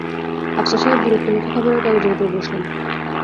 আফসার সাহেব বিরক্ত মুখে খবরের কাগজের ওপর বসলেন।